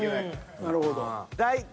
なるほど。